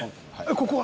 ここは？